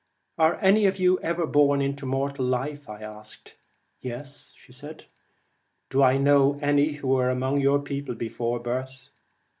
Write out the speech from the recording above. ' Are any of you ever born into mortal life?' 'Yes.' 'Do I know any who were among your people before birth